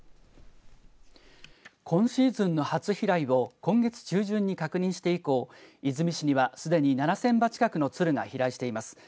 今シーズンの初飛来を今月中旬に確認して以降出水市にはすでに７０００羽近くの鶴が飛来しています。